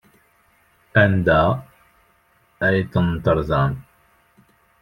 Anda ay tent-terẓamt?